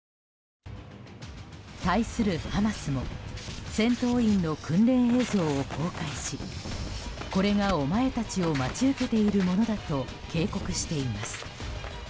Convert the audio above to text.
対するハマスも戦闘員の訓練映像を公開しこれがお前たちを待ち受けているものだと警告しています。